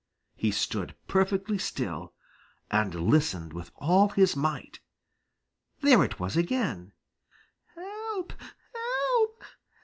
He stood perfectly still and listened with all his might. There it was again "Help! Help!